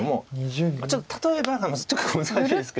ちょっと例えばが難しいですけども。